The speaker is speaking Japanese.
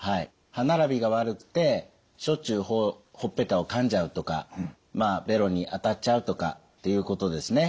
歯並びが悪くてしょっちゅうほっぺたをかんじゃうとかべろに当たっちゃうとかっていうことですね。